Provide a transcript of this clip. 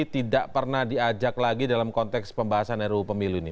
tidak pernah diajak lagi dalam konteks pembahasan ruu pemilu ini